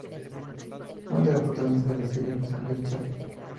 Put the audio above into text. Fue una de las protagonistas de la serie "Los ángeles de Charlie".